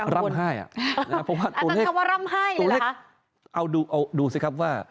ร่ำไห้อะอร่ำไห้เลยเหรอฮะเอาดูเอาดูสิครับว่า